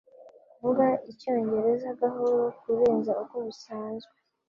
kuvuga icyongereza gahoro kurenza uko bisanzwe